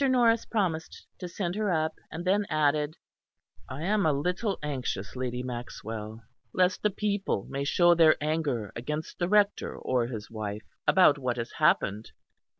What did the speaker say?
Norris promised to send her up, and then added: "I am a little anxious, Lady Maxwell, lest the people may show their anger against the Rector or his wife, about what has happened."